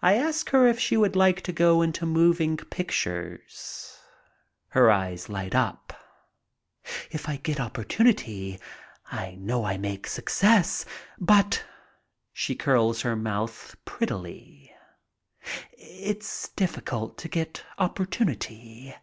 I ask her if she would like to go into moving pictures. Her eyes light up. "If I get opportunity I know I make success. But "— she curls her mouth prettily — "it's difficult to get opportunity."